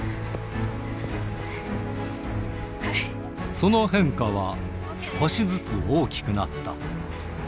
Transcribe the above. その変化は、少しずつ大きくなった。